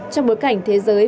trong bối cảnh thế giới